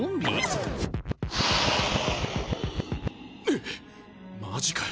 えっマジかよ！